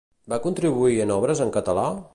Va contribuir en obres en català?